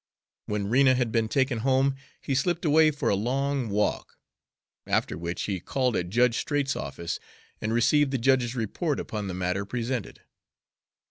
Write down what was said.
When Rena had been taken home, he slipped away for a long walk, after which he called at Judge Straight's office and received the judge's report upon the matter presented.